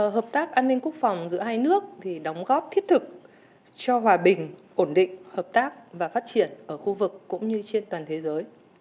hợp tác an ninh quốc phòng giữa hai nước đóng góp thiết thực cho hòa bình ổn định hợp tác và phát triển ở khu vực cũng như trên toàn thế giới